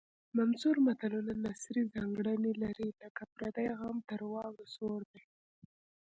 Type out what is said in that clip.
منثور متلونه نثري ځانګړنې لري لکه پردی غم تر واورو سوړ دی